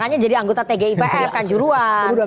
makanya jadi anggota tgipf kan juruan